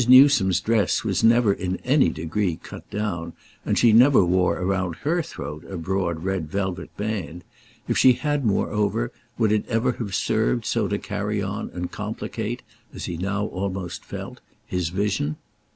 Newsome's dress was never in any degree "cut down," and she never wore round her throat a broad red velvet band: if she had, moreover, would it ever have served so to carry on and complicate, as he now almost felt, his vision?